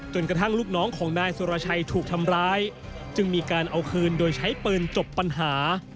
กระทั่งลูกน้องของนายสุรชัยถูกทำร้ายจึงมีการเอาคืนโดยใช้ปืนจบปัญหา